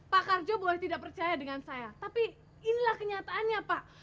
pak karjo boleh tidak percaya dengan saya tapi inilah kenyataannya pak